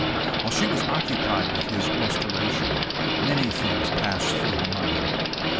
While she was occupied with his restoration many things passed through her mind.